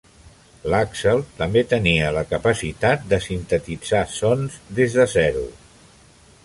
L'Acxel també tenia la capacitat de sintetitzar sons des de zero.